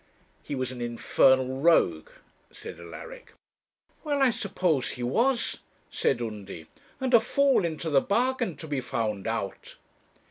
'He was an infernal rogue,' said Alaric. 'Well, I suppose he was,' said Undy; 'and a fool into the bargain to be found out.'